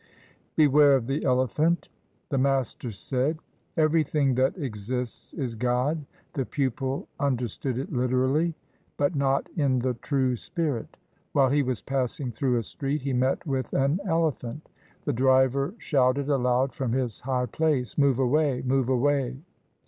BEWARE OF THE ELEPHANT The master said, "Everything that exists is God." The pupil understood it literally, but not in the true spirit. While he was passing through a street, he met with an elephant. The driver shouted aloud from his high place, "Move away, move away!"